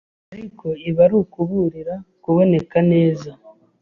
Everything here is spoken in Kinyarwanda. ariko ibi ari ukuburira kuboneka neza